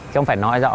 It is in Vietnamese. không phải nói rõ